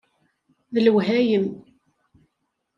D lewhayem.